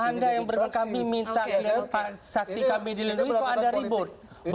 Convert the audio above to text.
anda yang berkata kami minta saksi kami dilindungi kok anda ribut